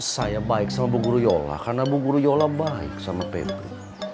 saya baik sama bu guru yola karena bu guru yola baik sama pepri